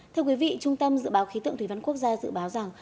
thưa quý vị trung tâm dự báo khí tượng thủy văn quốc gia dự báo rằng